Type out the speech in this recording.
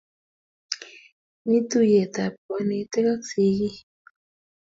Mi tuyet ap kanetik ak sikik